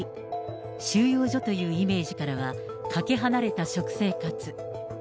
収容所というイメージからは、かけ離れた食生活。